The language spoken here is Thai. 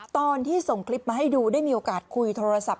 ตอนที่ส่งคลิปมาให้ดูได้มีโอกาสคุยโทรศัพท์